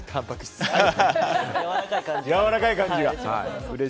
やわらかい感じが。